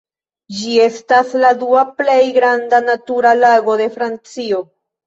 Ĝi estas la dua plej granda natura lago de Francio.